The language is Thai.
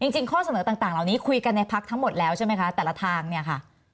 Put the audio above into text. จริงข้อเสนอต่างเหล่านี้คุยกันในพักทั้งหมดแล้วใช่ไหมคะแต่ละทางเนี่ยค่ะ